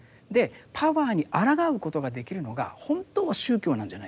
パワーにあらがうことができるのが本当は宗教なんじゃないかって。